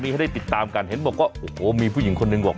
มีให้ได้ติดตามกันเห็นบอกว่าโอ้โหมีผู้หญิงคนหนึ่งบอก